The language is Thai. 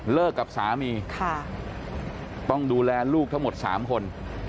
เลิกกับสามีค่ะต้องดูแลลูกทั้งหมดสามคน